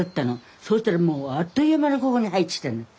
そうしたらもうあっという間にここに生えてきたの。